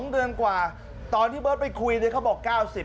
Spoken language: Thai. ๒เดือนกว่าตอนที่เบิร์ตไปคุยเนี่ยเขาบอก๙๐